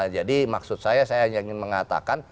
jadi maksud saya saya hanya ingin mengatakan